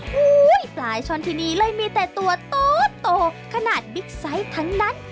ปลายช่อนที่นี่เลยมีแต่ตัวโตขนาดบิ๊กไซต์ทั้งนั้น